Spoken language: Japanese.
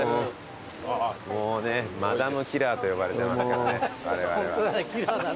もうねマダムキラーと呼ばれてますからね